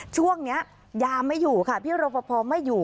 ช่วงนี้ยาไม่อยู่ค่ะพี่รบพอไม่อยู่